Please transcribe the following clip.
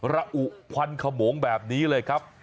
ระอุควันขโมงแบบนี้เลยครับ